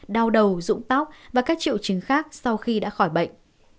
đau đầu dụng tóc và các triệu chứng khác sau khi đã khỏi bệnh